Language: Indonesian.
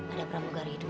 ada perambu garis